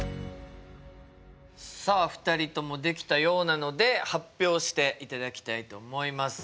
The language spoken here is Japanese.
さあ２人ともできたようなので発表していただきたいと思います。